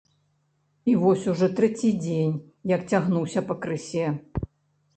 І вось ужо трэці дзень, як цягнуся пакрысе.